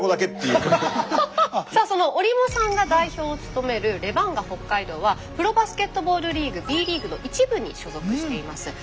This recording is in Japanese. その折茂さんが代表を務めるレバンガ北海道はプロバスケットボールリーグ「Ｂリーグ」の１部に所属しています。